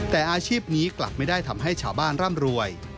แต่อาชีพนี้กลับไม่ได้ทำให้ชาวบ้านร่ำรวย